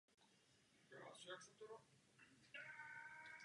Rosenthal pokračoval ve výzkumu tohoto jevu tentokrát na jedné z amerických škol.